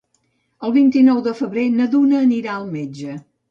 El vint-i-nou de febrer na Duna anirà al metge.